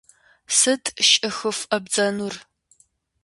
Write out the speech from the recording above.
Сыт щӀыхыфӀэбдзэнур?